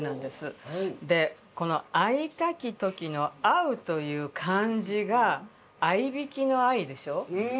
でこの「逢いたきとき」の「逢う」という漢字があいびきの「逢い」でしょう？